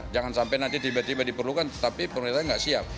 jangan sampai nanti tiba tiba diperlukan tetapi pemerintah nggak siap